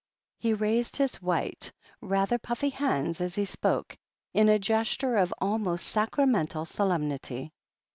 He raised his white, rather puffy hands as he spoke, in a gesture of almost sacramental solemnity.